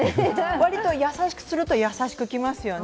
割と優しくすると、優しく来ますよね。